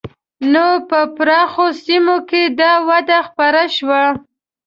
نو په پراخو سیمو کې دا وده خپره شوه.